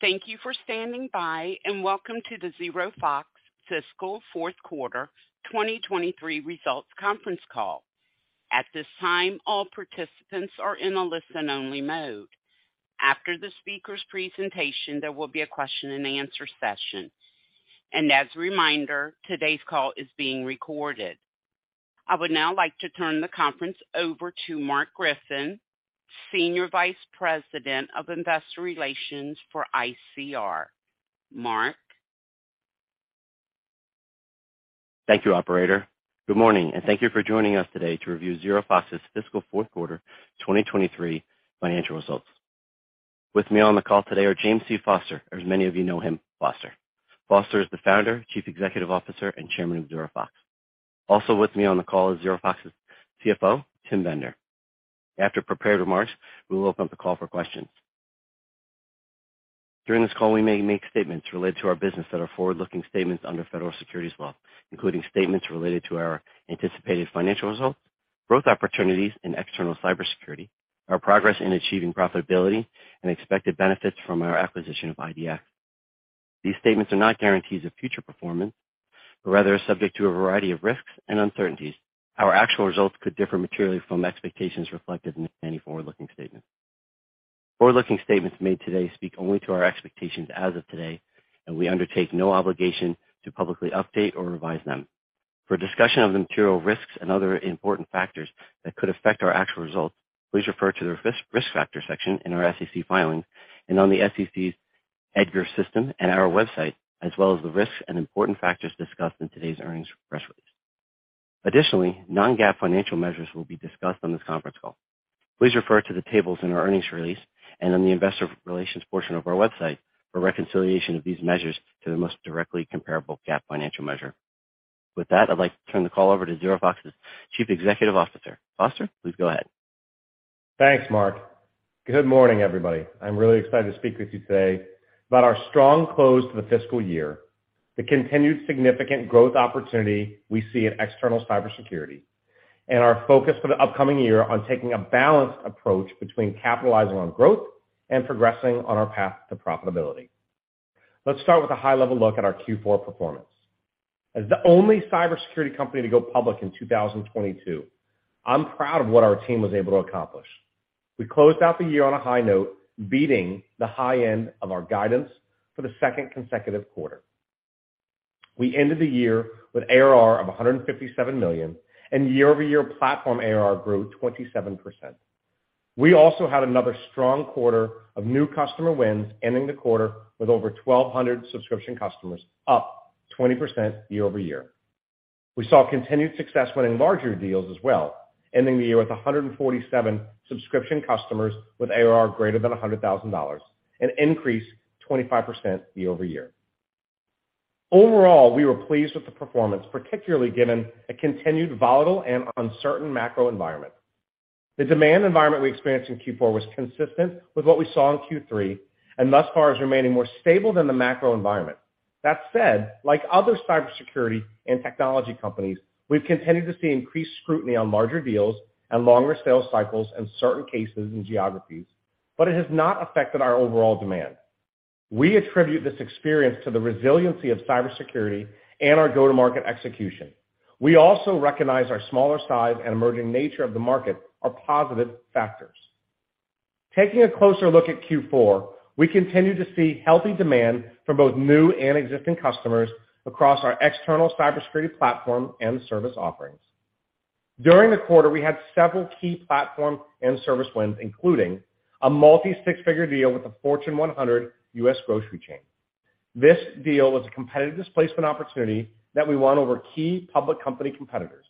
Thank you for standing by, and welcome to the ZeroFox Fiscal Fourth Quarter 2023 Results Conference Call. At this time, all participants are in a listen-only mode. After the speaker's presentation, there will be a question-and-answer session. As a reminder, today's call is being recorded. I would now like to turn the conference over to Marc Griffin, Senior Vice President of Investor Relations for ICR. Mark? Thank you, operator. Good morning, and thank you for joining us today to review ZeroFox's fiscal fourth quarter 2023 financial results. With me on the call today are James C. Foster, or as many of you know him, Foster. Foster is the Founder, Chief Executive Officer, and Chairman of ZeroFox. Also with me on the call is ZeroFox's CFO, Tim Bender. After prepared remarks, we will open up the call for questions. During this call, we may make statements related to our business that are forward-looking statements under federal securities law, including statements related to our anticipated financial results, growth opportunities in external cybersecurity, our progress in achieving profitability, and expected benefits from our acquisition of IDX. These statements are not guarantees of future performance, but rather are subject to a variety of risks and uncertainties. Our actual results could differ materially from expectations reflected in any forward-looking statements. Forward-looking statements made today speak only to our expectations as of today, and we undertake no obligation to publicly update or revise them. For a discussion of the material risks and other important factors that could affect our actual results, please refer to the risk factor section in our S.E.C. filings and on the S.E.C.'s EDGAR system and our website, as well as the risks and important factors discussed in today's earnings press release. Additionally, non-GAAP financial measures will be discussed on this conference call. Please refer to the tables in our earnings release and in the investor relations portion of our website for reconciliation of these measures to the most directly comparable GAAP financial measure. With that, I'd like to turn the call over to ZeroFox's Chief Executive Officer. Foster, please go ahead. Thanks, Marc. Good morning, everybody. I'm really excited to speak with you today about our strong close to the fiscal year, the continued significant growth opportunity we see in external cybersecurity, and our focus for the upcoming year on taking a balanced approach between capitalizing on growth and progressing on our path to profitability. Let's start with a high-level look at our Q4 performance. As the only cybersecurity company to go public in 2022, I'm proud of what our team was able to accomplish. We closed out the year on a high note, beating the high end of our guidance for the second consecutive quarter. We ended the year with ARR of $157 million, and year-over-year platform ARR grew 27%. We also had another strong quarter of new customer wins, ending the quarter with over 1,200 subscription customers, up 20% year-over-year. We saw continued success winning larger deals as well, ending the year with 147 subscription customers with ARR greater than $100,000, an increase 25% year-over-year. Overall, we were pleased with the performance, particularly given a continued volatile and uncertain macro environment. The demand environment we experienced in Q4 was consistent with what we saw in Q3. Thus far is remaining more stable than the macro environment. That said, like other cybersecurity and technology companies, we've continued to see increased scrutiny on larger deals and longer sales cycles in certain cases and geographies, but it has not affected our overall demand. We attribute this experience to the resiliency of cybersecurity and our go-to-market execution. We also recognize our smaller size and emerging nature of the market are positive factors. Taking a closer look at Q4, we continue to see healthy demand from both new and existing customers across our external cybersecurity platform and service offerings. During the quarter, we had several key platform and service wins, including a multi-six-figure deal with a Fortune 100 U.S. grocery chain. This deal was a competitive displacement opportunity that we won over key public company competitors.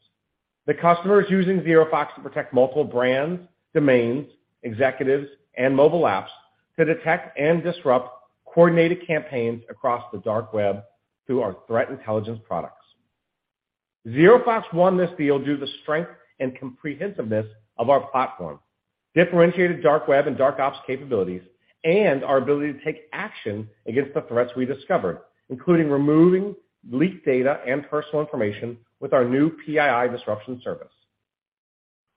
The customer is using ZeroFox to protect multiple brands, domains, executives, and mobile apps to detect and disrupt coordinated campaigns across the dark web through our threat intelligence products. ZeroFox won this deal due to the strength and comprehensiveness of our platform, differentiated dark web and Dark Ops capabilities, and our ability to take action against the threats we discovered, including removing leaked data and personal information with our new PII disruption service.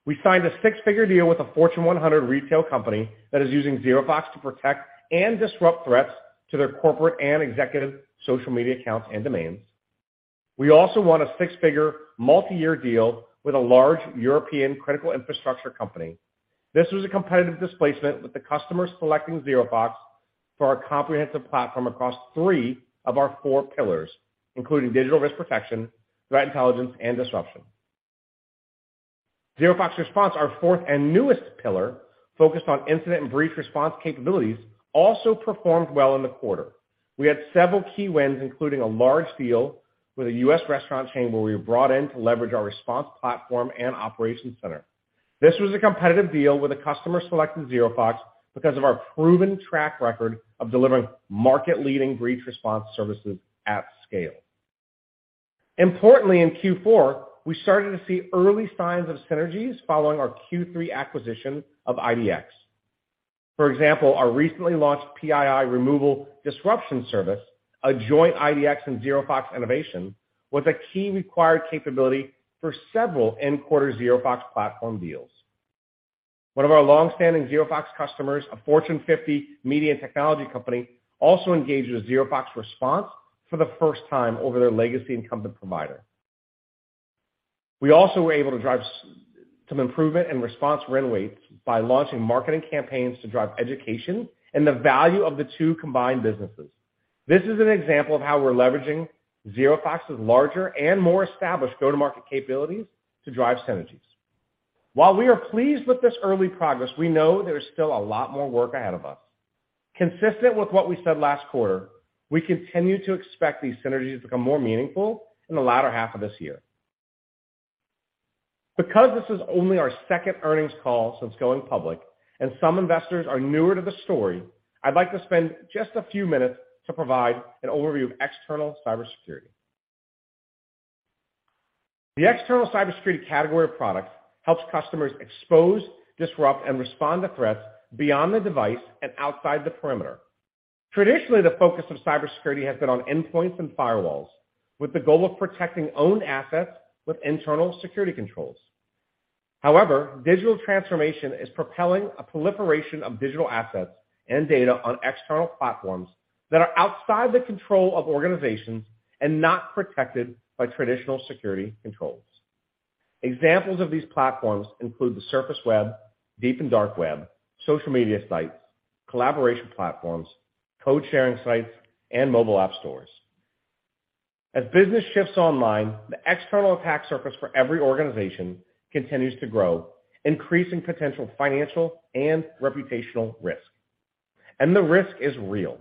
We signed a six-figure deal with a Fortune 100 retail company that is using ZeroFox to protect and disrupt threats to their corporate and executive social media accounts and domains. We also won a six-figure multi-year deal with a large European critical infrastructure company. This was a competitive displacement with the customer selecting ZeroFox for our comprehensive platform across three of our four pillars, including Digital Risk Protection, threat intelligence, and disruption. ZeroFox Response, our fourth and newest pillar, focused on incident and breach response capabilities, also performed well in the quarter. We had several key wins, including a large deal with a U.S. restaurant chain where we were brought in to leverage our response platform and operations center. This was a competitive deal where the customer selected ZeroFox because of our proven track record of delivering market-leading breach response services at scale. Importantly, in Q4, we started to see early signs of synergies following our Q3 acquisition of IDX. For example, our recently launched PII Removal disruption service, a joint IDX and ZeroFox innovation, was a key required capability for several end-quarter ZeroFox platform deals. One of our long-standing ZeroFox customers, a Fortune 50 media and technology company, also engaged with ZeroFox Response for the first time over their legacy incumbent provider. We also were able to drive some improvement in response win rates by launching marketing campaigns to drive education and the value of the two combined businesses. This is an example of how we're leveraging ZeroFox's larger and more established go-to-market capabilities to drive synergies. While we are pleased with this early progress, we know there is still a lot more work ahead of us. Consistent with what we said last quarter, we continue to expect these synergies to become more meaningful in the latter half of this year. Because this is only our second earnings call since going public and some investors are newer to the story, I'd like to spend just a few minutes to provide an overview of external cybersecurity. The external cybersecurity category of products helps customers expose, disrupt, and respond to threats beyond the device and outside the perimeter. Traditionally, the focus of cybersecurity has been on endpoints and firewalls with the goal of protecting own assets with internal security controls. However, digital transformation is propelling a proliferation of digital assets and data on external platforms that are outside the control of organizations and not protected by traditional security controls. Examples of these platforms include the surface web, deep and dark web, social media sites, collaboration platforms, code-sharing sites, and mobile app stores. As business shifts online, the external attack surface for every organization continues to grow, increasing potential financial and reputational risk. The risk is real.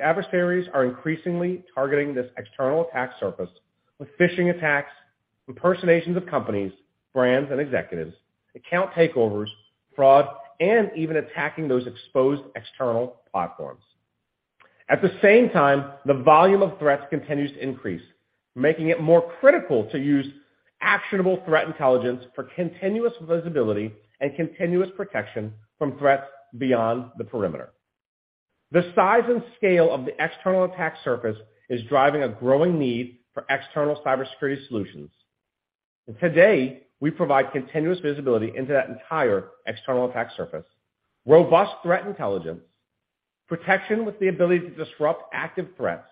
The adversaries are increasingly targeting this external attack surface with phishing attacks, impersonations of companies, brands, and executives, account takeovers, fraud, and even attacking those exposed external platforms. At the same time, the volume of threats continues to increase, making it more critical to use actionable threat intelligence for continuous visibility and continuous protection from threats beyond the perimeter. The size and scale of the external attack surface is driving a growing need for external cybersecurity solutions. Today, we provide continuous visibility into that entire external attack surface, robust threat intelligence, protection with the ability to disrupt active threats,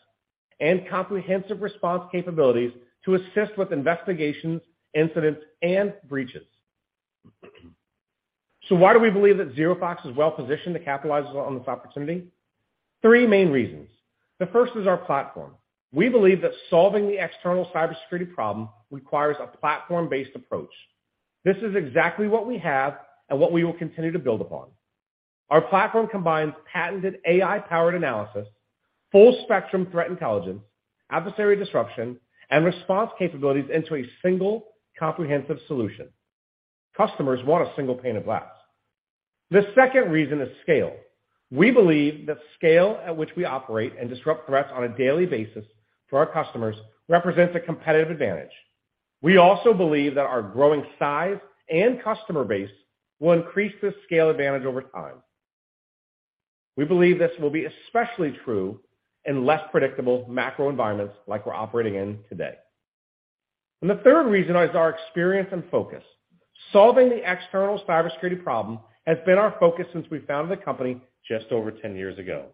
and comprehensive response capabilities to assist with investigations, incidents, and breaches. Why do we believe that ZeroFox is well-positioned to capitalize on this opportunity? Three main reasons. The first is our platform. We believe that solving the external cybersecurity problem requires a platform-based approach. This is exactly what we have and what we will continue to build upon. Our platform combines patented AI-powered analysis, full-spectrum threat intelligence, adversary disruption, and response capabilities into a single comprehensive solution. Customers want a single pane of glass. The second reason is scale. We believe the scale at which we operate and disrupt threats on a daily basis for our customers represents a competitive advantage. We also believe that our growing size and customer base will increase this scale advantage over time. We believe this will be especially true in less predictable macro environments like we're operating in today. The third reason is our experience and focus. Solving the external cybersecurity problem has been our focus since we founded the company just over 10 years ago.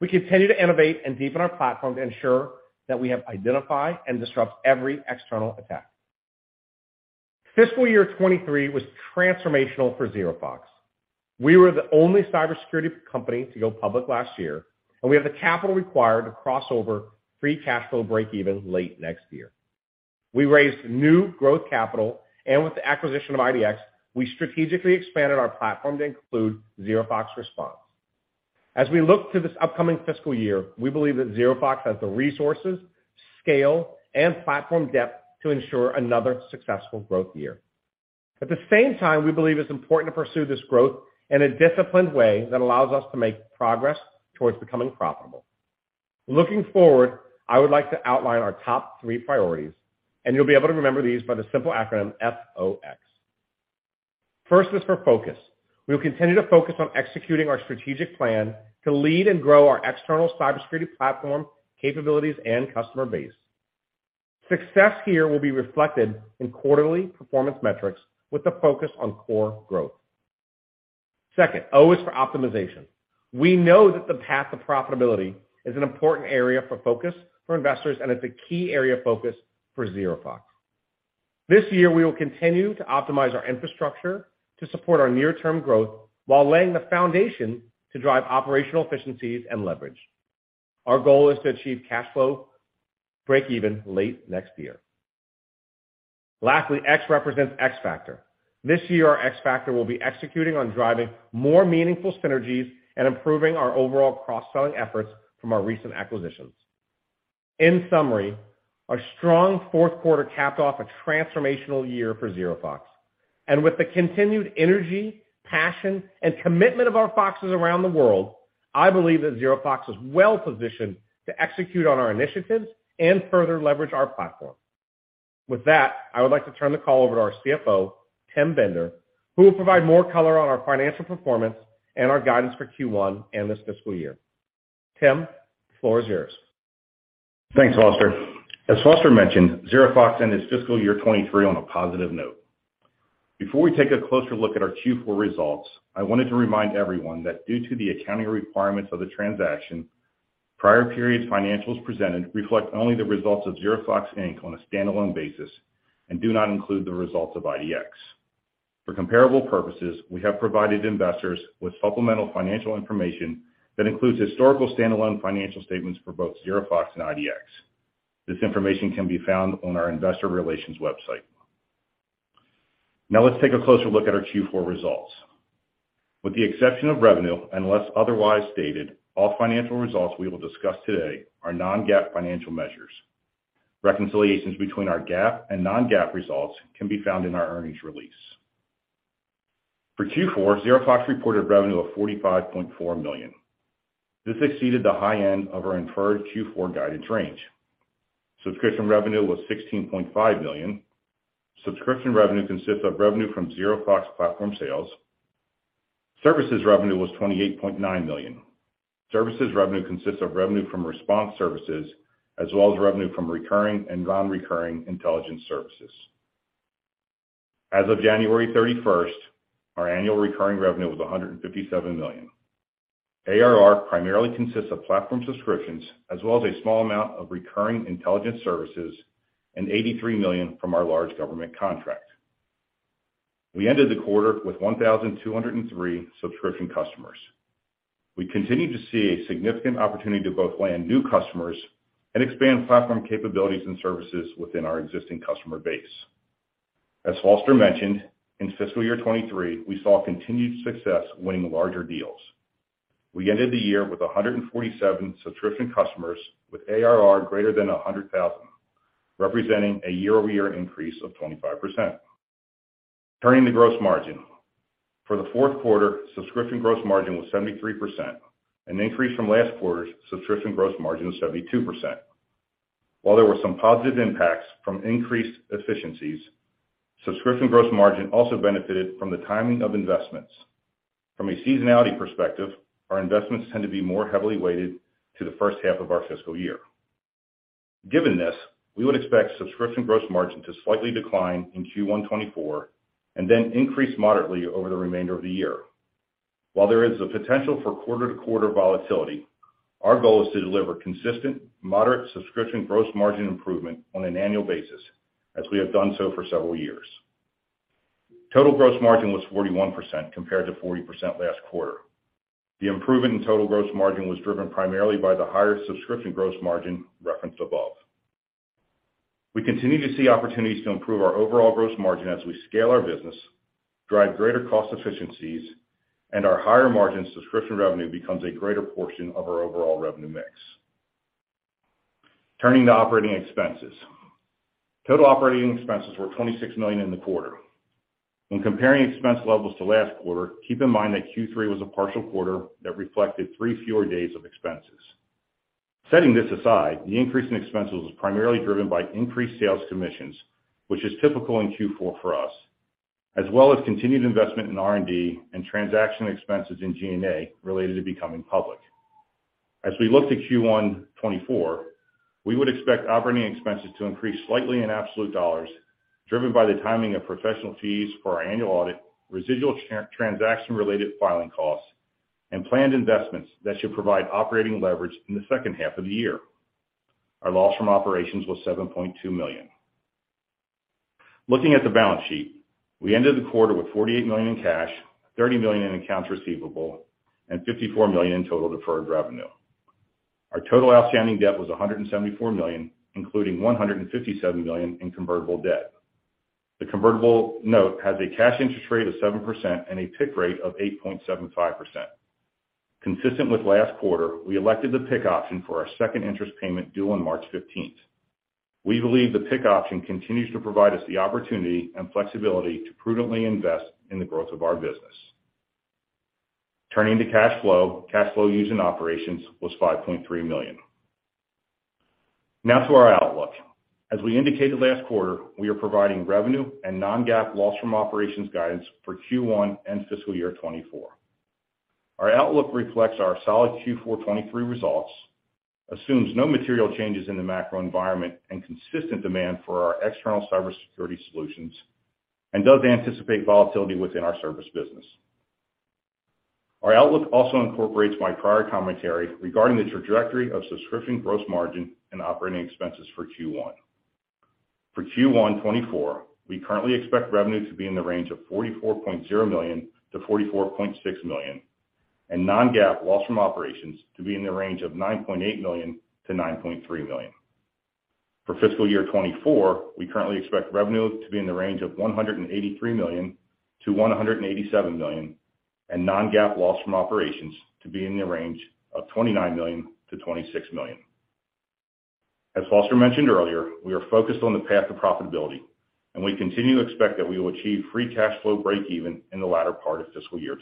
We continue to innovate and deepen our platform to ensure that we have identified and disrupt every external attack. Fiscal year 2023 was transformational for ZeroFox. We were the only cybersecurity company to go public last year, and we have the capital required to cross over free cash flow break even late next year. We raised new growth capital, and with the acquisition of IDX, we strategically expanded our platform to include ZeroFox Response. As we look to this upcoming fiscal year, we believe that ZeroFox has the resources, scale, and platform depth to ensure another successful growth year. At the same time, we believe it's important to pursue this growth in a disciplined way that allows us to make progress towards becoming profitable. Looking forward, I would like to outline our top three priorities, and you'll be able to remember these by the simple acronym FOX. First is for focus. We will continue to focus on executing our strategic plan to lead and grow our external cybersecurity platform capabilities and customer base. Success here will be reflected in quarterly performance metrics with a focus on core growth. Second, O is for optimization. We know that the path of profitability is an important area for focus for investors, and it's a key area of focus for ZeroFox. This year, we will continue to optimize our infrastructure to support our near-term growth while laying the foundation to drive operational efficiencies and leverage. Our goal is to achieve cash flow break even late next year. Lastly, X represents X factor. This year, our X factor will be executing on driving more meaningful synergies and improving our overall cross-selling efforts from our recent acquisitions. In summary, our strong fourth quarter capped off a transformational year for ZeroFox. With the continued energy, passion, and commitment of our Foxes around the world, I believe that ZeroFox is well-positioned to execute on our initiatives and further leverage our platform. With that, I would like to turn the call over to our CFO, Tim Bender, who will provide more color on our financial performance and our guidance for Q one and this fiscal year. Tim, the floor is yours. Thanks, Foster. As Foster mentioned, ZeroFox ended fiscal year 2023 on a positive note. Before we take a closer look at our Q4 results, I wanted to remind everyone that due to the accounting requirements of the transaction, prior periods financials presented reflect only the results of ZeroFox, Inc. on a standalone basis and do not include the results of IDX. For comparable purposes, we have provided investors with supplemental financial information that includes historical standalone financial statements for both ZeroFox and IDX. This information can be found on our investor relations website. Now let's take a closer look at our Q4 results. With the exception of revenue, unless otherwise stated, all financial results we will discuss today are non-GAAP financial measures. Reconciliations between our GAAP and non-GAAP results can be found in our earnings release. For Q4, ZeroFox reported revenue of $45.4 million. This exceeded the high end of our inferred Q4 guidance range. Subscription revenue was $16.5 million. Subscription revenue consists of revenue from ZeroFox platform sales. Services revenue was $28.9 million. Services revenue consists of revenue from response services as well as revenue from recurring and non-recurring intelligence services. As of January 31st, our annual recurring revenue was $157 million. ARR primarily consists of platform subscriptions as well as a small amount of recurring intelligence services and $83 million from our large government contract. We ended the quarter with 1,203 subscription customers. We continue to see a significant opportunity to both land new customers and expand platform capabilities and services within our existing customer base. As Foster mentioned, in fiscal year 2023, we saw continued success winning larger deals. We ended the year with 147 subscription customers with ARR greater than $100,000, representing a year-over-year increase of 25%. Turning to gross margin. For the fourth quarter, subscription gross margin was 73%, an increase from last quarter's subscription gross margin of 72%. While there were some positive impacts from increased efficiencies, subscription gross margin also benefited from the timing of investments. From a seasonality perspective, our investments tend to be more heavily weighted to the first half of our fiscal year. Given this, we would expect subscription gross margin to slightly decline in Q1 2024 and then increase moderately over the remainder of the year. While there is a potential for quarter-to-quarter volatility, our goal is to deliver consistent, moderate subscription gross margin improvement on an annual basis, as we have done so for several years. Total gross margin was 41% compared to 40% last quarter. The improvement in total gross margin was driven primarily by the higher subscription gross margin referenced above. We continue to see opportunities to improve our overall gross margin as we scale our business, drive greater cost efficiencies, and our higher margin subscription revenue becomes a greater portion of our overall revenue mix. Turning to operating expenses. Total operating expenses were $26 million in the quarter. When comparing expense levels to last quarter, keep in mind that Q3 was a partial quarter that reflected three fewer days of expenses. Setting this aside, the increase in expenses was primarily driven by increased sales commissions, which is typical in Q4 for us, as well as continued investment in R&D and transaction expenses in G&A related to becoming public. As we look to Q1 2024, we would expect operating expenses to increase slightly in absolute dollars, driven by the timing of professional fees for our annual audit, residual transaction-related filing costs, and planned investments that should provide operating leverage in the second half of the year. Our loss from operations was $7.2 million. Looking at the balance sheet. We ended the quarter with $48 million in cash, $30 million in accounts receivable, and $54 million in total deferred revenue. Our total outstanding debt was $174 million, including $157 million in convertible debt. The convertible note has a cash interest rate of 7% and a PIC rate of 8.75%. Consistent with last quarter, we elected the PIC option for our second interest payment due on March 15th. We believe the PIC option continues to provide us the opportunity and flexibility to prudently invest in the growth of our business. Turning to cash flow. Cash flow used in operations was $5.3 million. Now to our outlook. As we indicated last quarter, we are providing revenue and non-GAAP loss from operations guidance for Q1 and fiscal year 2024. Our outlook reflects our solid Q4 2023 results, assumes no material changes in the macro environment and consistent demand for our external cybersecurity solutions, and does anticipate volatility within our service business. Our outlook also incorporates my prior commentary regarding the trajectory of subscription gross margin and operating expenses for Q1. For Q1 2024, we currently expect revenue to be in the range of $44.0 million-$44.6 million and non-GAAP loss from operations to be in the range of $9.8 million-$9.3 million. For fiscal year 2024, we currently expect revenue to be in the range of $183 million-$187 million and non-GAAP loss from operations to be in the range of $29 million-$26 million. As Foster mentioned earlier, we are focused on the path to profitability and we continue to expect that we will achieve free cash flow breakeven in the latter part of fiscal year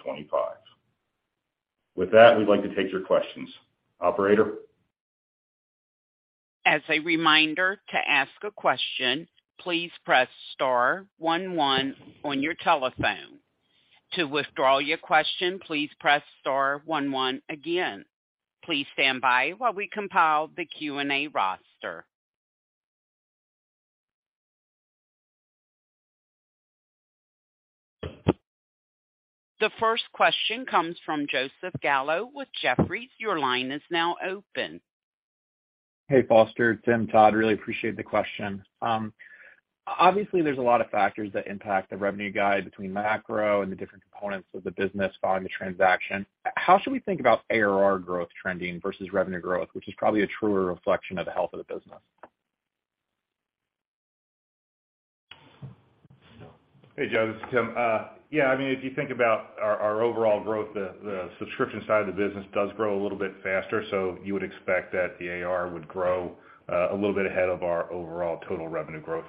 2025. With that, we'd like to take your questions. Operator? As a reminder, to ask a question, please press star one one on your telephone. To withdraw your question, please press star one one again. Please stand by while we compile the Q&A roster. The first question comes from Joseph Gallo with Jefferies. Your line is now open. Hey, Foster. Tim Todd. Really appreciate the question. Obviously, there's a lot of factors that impact the revenue guide between macro and the different components of the business following the transaction. How should we think about ARR growth trending versus revenue growth, which is probably a truer reflection of the health of the business? Hey, Joe, this is Tim. Yeah, I mean, if you think about our overall growth, the subscription side of the business does grow a little bit faster. You would expect that the ARR would grow, a little bit ahead of our overall total revenue growth.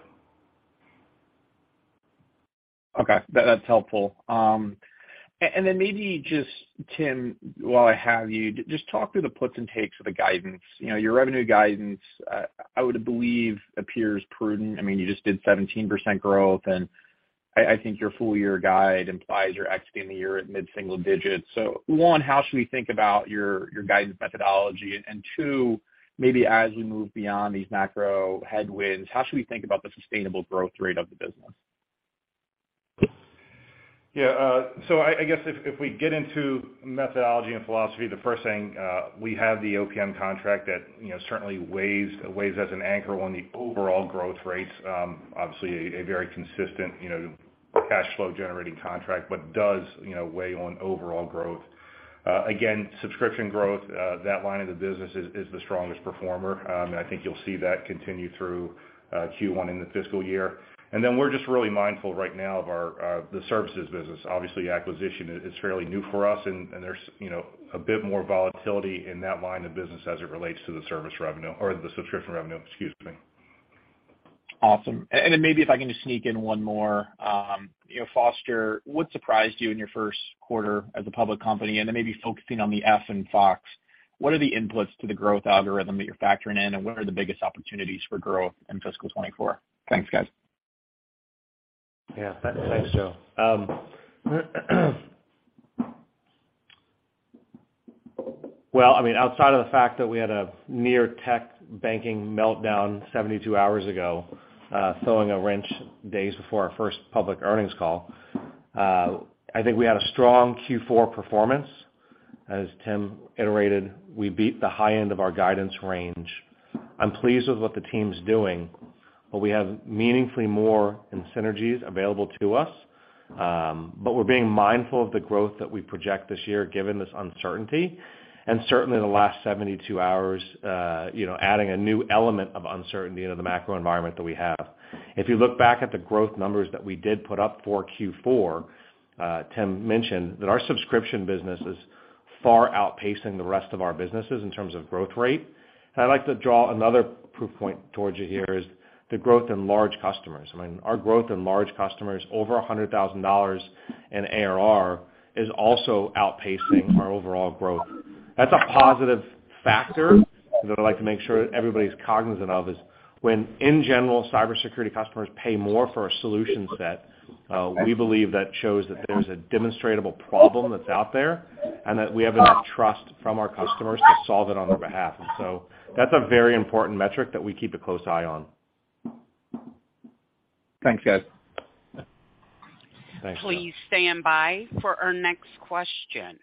Okay. That's helpful. And then maybe just, Tim, while I have you, just talk through the puts and takes of the guidance. You know, your revenue guidance, I would believe appears prudent. I mean, you just did 17% growth, and I think your full year guide implies you're exiting the year at mid-single digits. One, how should we think about your guidance methodology? Two, maybe as we move beyond these macro headwinds, how should we think about the sustainable growth rate of the business? I guess if we get into methodology and philosophy, the first thing, we have the OPM contract that, you know, certainly weighs as an anchor on the overall growth rates, obviously a very consistent, you know, cash flow generating contract, but does, you know, weigh on overall growth. Again, subscription growth, that line of the business is the strongest performer. And I think you'll see that continue through Q1 in the fiscal year. We're just really mindful right now of the services business. Obviously, acquisition is fairly new for us and there's, you know, a bit more volatility in that line of business as it relates to the service revenue or the subscription revenue. Excuse me. Awesome. Maybe if I can just sneak in one more. you know, Foster, what surprised you in your first quarter as a public company? Maybe focusing on the F in FOX, what are the inputs to the growth algorithm that you're factoring in, and what are the biggest opportunities for growth in fiscal 2024? Thanks, guys. Yeah. Thanks, Joe. Well, I mean, outside of the fact that we had a near tech banking meltdown 72 hours ago, throwing a wrench days before our first public earnings call, I think we had a strong Q4 performance. As Tim iterated, we beat the high end of our guidance range. I'm pleased with what the team's doing, but we have meaningfully more in synergies available to us. We're being mindful of the growth that we project this year, given this uncertainty, and certainly in the last 72 hours, you know, adding a new element of uncertainty into the macro environment that we have. If you look back at the growth numbers that we did put up for Q4, Tim mentioned that our subscription business is far outpacing the rest of our businesses in terms of growth rate. I'd like to draw another proof point towards you here is the growth in large customers. I mean, our growth in large customers over $100,000 in ARR is also outpacing our overall growth. That's a positive factor that I'd like to make sure everybody's cognizant of, is when, in general, cybersecurity customers pay more for a solution set, we believe that shows that there's a demonstrable problem that's out there and that we have enough trust from our customers to solve it on their behalf. That's a very important metric that we keep a close eye on. Thanks, guys. Thanks, Joe. Please stand by for our next question.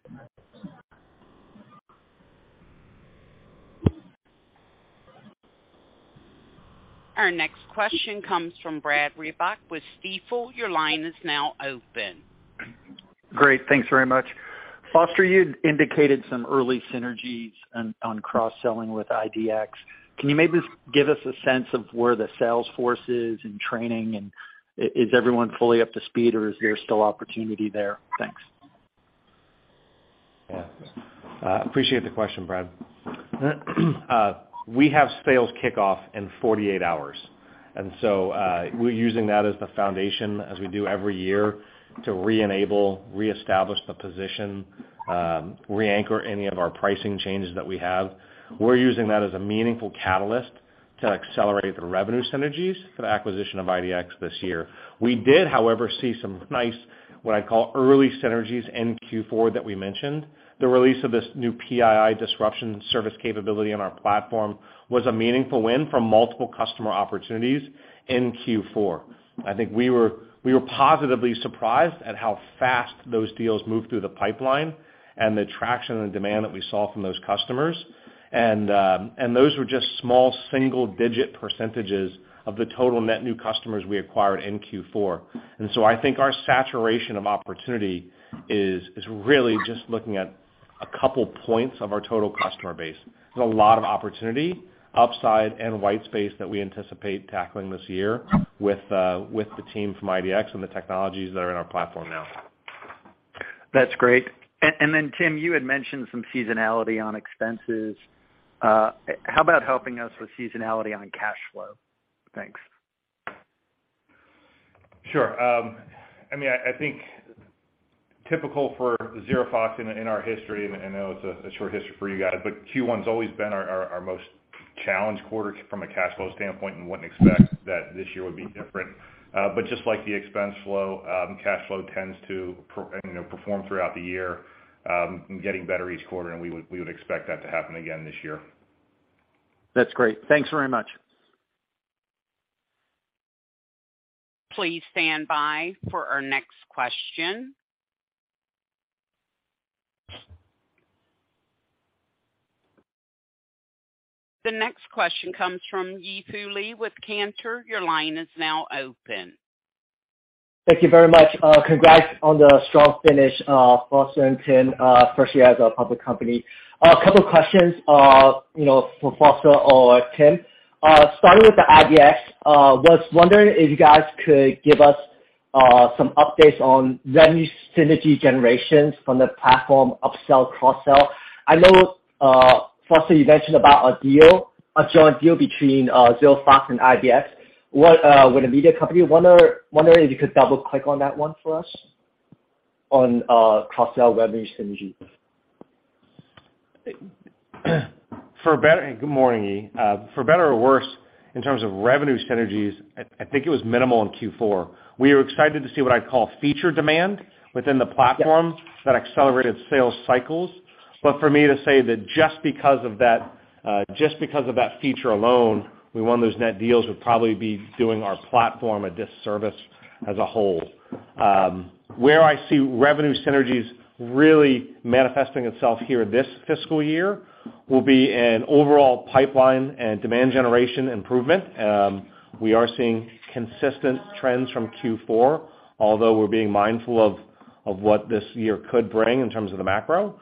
Our next question comes from Brad Reback with Stifel. Your line is now open. Great. Thanks very much. Foster, you indicated some early synergies on cross-selling with IDX. Can you maybe give us a sense of where the sales force is in training, and is everyone fully up to speed, or is there still opportunity there? Thanks. Yeah. Appreciate the question, Brad. We have sales kickoff in 48 hours, we're using that as the foundation, as we do every year, to reenable, reestablish the position, reanchor any of our pricing changes that we have. We're using that as a meaningful catalyst to accelerate the revenue synergies for the acquisition of IDX this year. We did, however, see some nice, what I call early synergies in Q4 that we mentioned. The release of this new PII disruption service capability on our platform was a meaningful win from multiple customer opportunities in Q4. I think we were positively surprised at how fast those deals moved through the pipeline and the traction and demand that we saw from those customers. Those were just small single-digit percentages of the total net new customers we acquired in Q4. I think our saturation of opportunity is really just looking at a couple points of our total customer base. There's a lot of opportunity, upside, and white space that we anticipate tackling this year with the team from IDX and the technologies that are in our platform now. That's great. Tim, you had mentioned some seasonality on expenses. How about helping us with seasonality on cash flow? Thanks. Sure. I mean, I think typical for ZeroFox in our history, and I know it's a short history for you guys, but Q1's always been our mostChallenge quarter from a cash flow standpoint and wouldn't expect that this year would be different. Just like the expense flow, cash flow tends to you know, perform throughout the year, getting better each quarter, and we would, we would expect that to happen again this year. That's great. Thanks very much. Please stand by for our next question. The next question comes from Yi Fu Lee with Cantor. Your line is now open. Thank you very much. Congrats on the strong finish, Foster and Tim, first year as a public company. Two questions, you know, for Foster or Tim. Starting with the IDX, was wondering if you guys could give us some updates on revenue synergy generations from the platform upsell, cross-sell. I know, Foster, you mentioned about a deal, a joint deal between ZeroFox and IDX with a media company. Wondering if you could double click on that one for us on cross-sell revenue synergy. Good morning, Yi. For better or worse, in terms of revenue synergies, I think it was minimal in Q4. We are excited to see what I'd call feature demand within the platform- Yes. That accelerated sales cycles. For me to say that just because of that, just because of that feature alone, we won those net deals would probably be doing our platform a disservice as a whole. Where I see revenue synergies really manifesting itself here this fiscal year will be an overall pipeline and demand generation improvement. We are seeing consistent trends from Q4, although we're being mindful of what this year could bring in terms of the macro.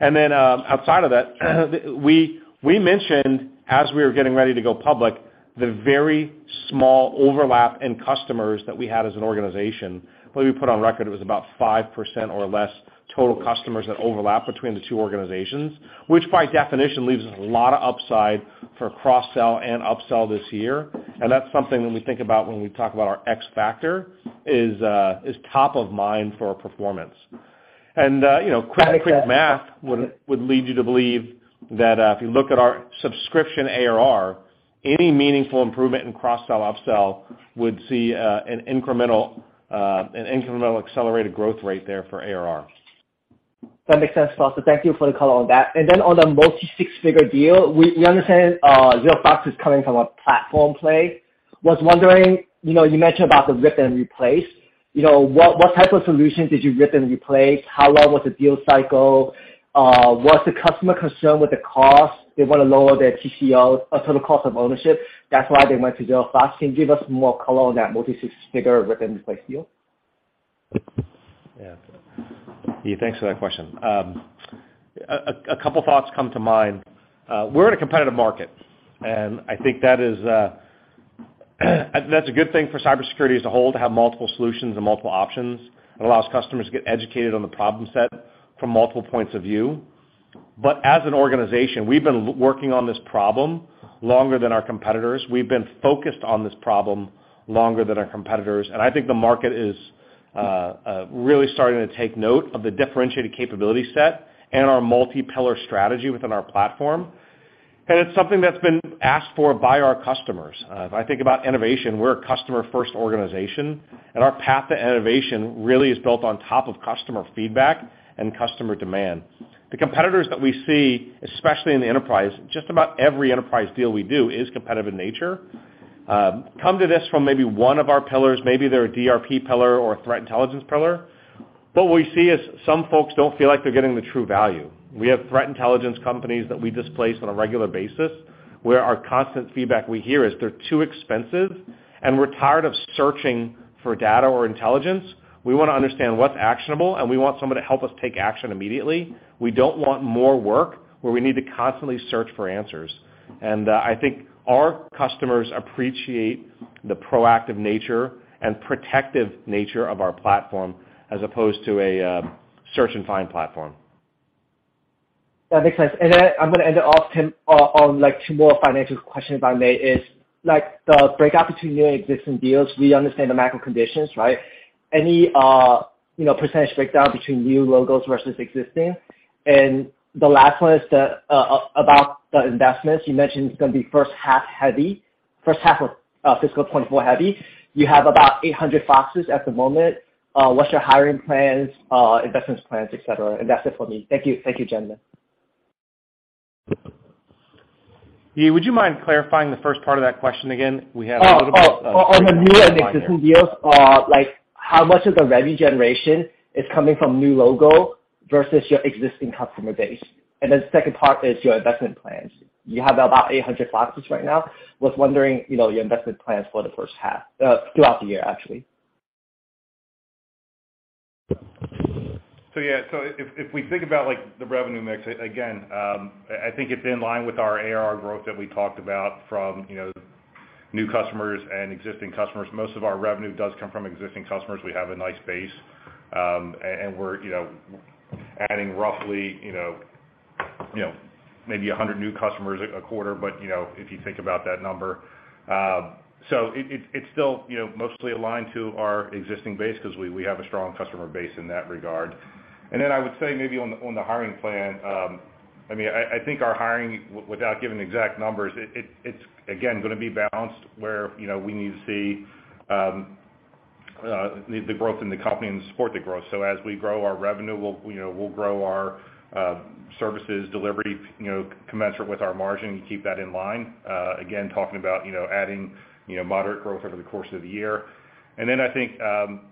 Outside of that, we mentioned as we were getting ready to go public, the very small overlap in customers that we had as an organization, I believe we put on record it was about 5% or less total customers that overlap between the two organizations, which by definition leaves us a lot of upside for cross-sell and upsell this year. That's something when we think about when we talk about our X factor is top of mind for our performance. You know, quick math would lead you to believe that if you look at our subscription ARR, any meaningful improvement in cross-sell, upsell would see an incremental accelerated growth rate there for ARR. That makes sense, Foster. Thank you for the color on that. On the multi six-figure deal, we understand ZeroFox is coming from a platform play. Was wondering, you know, you mentioned about the rip and replace, you know, what type of solutions did you rip and replace? How long was the deal cycle? Was the customer concerned with the cost? They wanna lower their TCO, total cost of ownership. That's why they went to ZeroFox. Can you give us more color on that multi six-figure rip and replace deal? Yeah. Yi, thanks for that question. A couple thoughts come to mind. We're in a competitive market, I think that is that's a good thing for cybersecurity as a whole to have multiple solutions and multiple options. It allows customers to get educated on the problem set from multiple points of view. As an organization, we've been working on this problem longer than our competitors. We've been focused on this problem longer than our competitors, I think the market is really starting to take note of the differentiated capability set and our multi-pillar strategy within our platform. It's something that's been asked for by our customers. If I think about innovation, we're a customer-first organization, our path to innovation really is built on top of customer feedback and customer demand. The competitors that we see, especially in the enterprise, just about every enterprise deal we do is competitive in nature, come to this from maybe one of our pillars, maybe they're a DRP pillar or a threat intelligence pillar. What we see is some folks don't feel like they're getting the true value. We have threat intelligence companies that we displace on a regular basis, where our constant feedback we hear is they're too expensive, and we're tired of searching for data or intelligence. We wanna understand what's actionable, and we want someone to help us take action immediately. We don't want more work where we need to constantly search for answers. I think our customers appreciate the proactive nature and protective nature of our platform as opposed to a search and find platform. That makes sense. Then I'm gonna end it off, Tim, on like two more financial questions, if I may, is like the breakout between new and existing deals, we understand the macro conditions, right? Any, you know, percentage breakdown between new logos versus existing. The last one is the about the investments. You mentioned it's gonna be first half heavy, first half of fiscal 2024 heavy. You have about 800 FOXes at the moment. What's your hiring plans, investments plans, etcetera? That's it for me. Thank you. Thank you, James. Yi, would you mind clarifying the first part of that question again? On the new and existing deals. Like how much of the revenue generation is coming from new logo versus your existing customer base? Second part is your investment plans. You have about 800 FOXes right now. Was wondering, you know, your investment plans for the first half, throughout the year actually? Yeah, if we think about like the revenue mix, again, I think it's in line with our ARR growth that we talked about from, you know, new customers and existing customers. Most of our revenue does come from existing customers. We have a nice base, and we're, you know, adding roughly, you know, maybe 100 new customers a quarter, but, you know, if you think about that number. It's still, you know, mostly aligned to our existing base 'cause we have a strong customer base in that regard. I would say maybe on the hiring plan, I mean, I think our hiring, without giving exact numbers, it's again, gonna be balanced where, you know, we need to see the growth in the company and support the growth. As we grow our revenue, we'll, you know, we'll grow our services delivery, you know, commensurate with our margin and keep that in line. Again, talking about, you know, adding, you know, moderate growth over the course of the year. I think,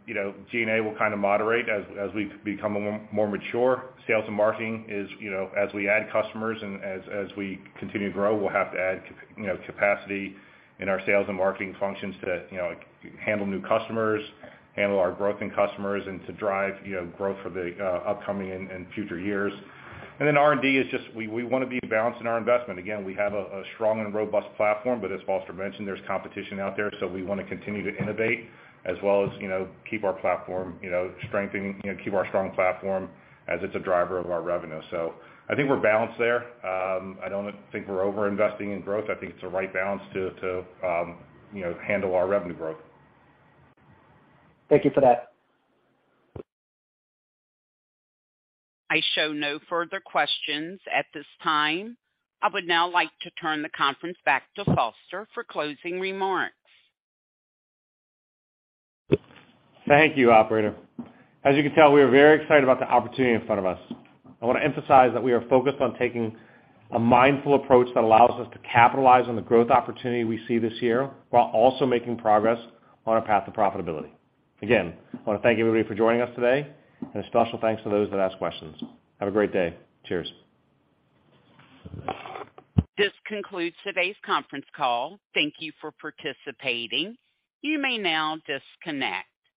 you know, G&A will kind of moderate as we become a more mature. Sales and marketing is, you know, as we add customers and as we continue to grow, we'll have to add, you know, capacity in our sales and marketing functions to, you know, handle new customers, handle our growth in customers and to drive, you know, growth for the upcoming and future years. R&D is just we wanna be balanced in our investment. We have a strong and robust platform, but as Foster mentioned, there's competition out there. We wanna continue to innovate as well as, you know, keep our platform, you know, strengthen, you know, keep our strong platform as it's a driver of our revenue. I think we're balanced there. I don't think we're over-investing in growth. I think it's the right balance to, you know, handle our revenue growth. Thank you for that. I show no further questions at this time. I would now like to turn the conference back to Foster for closing remarks. Thank you, operator. As you can tell, we are very excited about the opportunity in front of us. I wanna emphasize that we are focused on taking a mindful approach that allows us to capitalize on the growth opportunity we see this year, while also making progress on our path to profitability. Again, I wanna thank everybody for joining us today, and a special thanks to those that asked questions. Have a great day. Cheers. This concludes today's conference call. Thank you for participating. You may now disconnect.